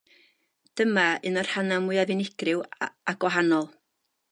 Dyma un o'r rhannau mwyaf unigryw a gwahanol.